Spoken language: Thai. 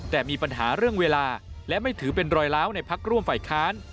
แต่มีปัญหาเรื่องเวลาและไม่ถือเป็นรอยล้าวในพักร่วมฝ่ายค้าน